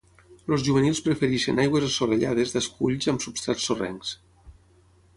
Els juvenils prefereixen aigües assolellades d'esculls amb substrats sorrencs.